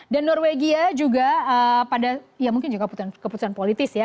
dan norwegia juga pada ya mungkin juga keputusan politis ya